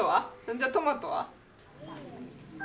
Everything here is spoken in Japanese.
じゃあトマトは？